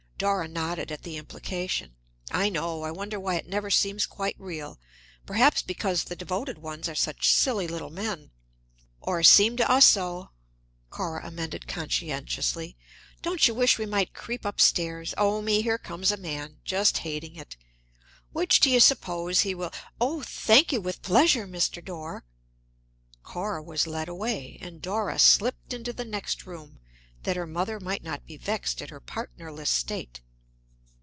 Dora nodded at the implication. "I know. I wonder why it never seems quite real. Perhaps because the devoted ones are such silly little men." "Or seem to us so," Cora amended conscientiously. "Don't you wish we might creep up stairs? Oh, me, here comes a man, just hating it! Which do you suppose he will Oh, thank you, with pleasure, Mr. Dorr!" Cora was led away, and Dora slipped into the next room, that her mother might not be vexed at her partnerless state.